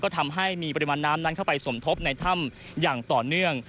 ทำให้มีปริมาณน้ำนั้นเข้าไปสมทบในถ้ำอย่างต่อเนื่อง